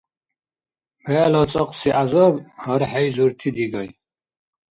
БегӀла цӀакьси гӀязаб — гьархӀейзурти дигай.